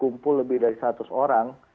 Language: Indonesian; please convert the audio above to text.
kumpul lebih dari seratus orang